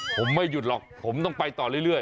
ผมไม่หยุดหรอกผมต้องไปต่อเรื่อย